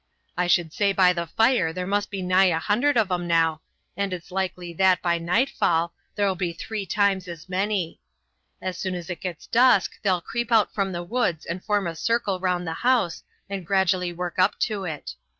"I should say by the fire there must be nigh a hundred of 'em now, and it's likely that, by nightfall, there'll be three times as many. As soon as it gets dusk they'll creep out from the woods and form a circle round the house and gradually work up to it.